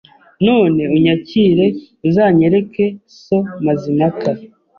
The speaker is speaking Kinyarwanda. none unyakire uzanyereke so Mazimpaka